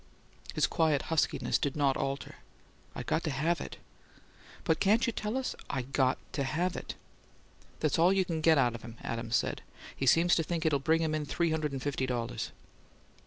His quiet huskiness did not alter. "I got to have it." "But can't you tell us " "I got to have it." "That's all you can get out of him," Adams said. "He seems to think it'll bring him in three hundred and fifty dollars!"